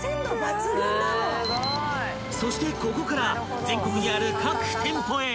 ［そしてここから全国にある各店舗へ］